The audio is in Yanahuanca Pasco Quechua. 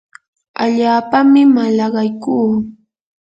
allaapami malaqaykuu.